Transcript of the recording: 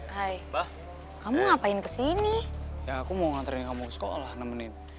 hai hai mbah kamu ngapain kesini aku mau ngantrin kamu sekolah nemenin